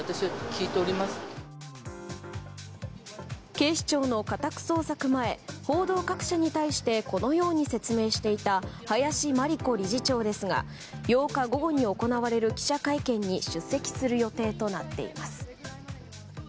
警視庁の家宅捜索前報道各社に対してこのように説明していた林真理子理事長ですが８日午後に行われる記者会見に出席する予定となっています。